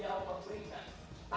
ya tambahkan harta yang telah dikeluarkan